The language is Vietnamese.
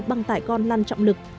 băng tải con lăn trọng lực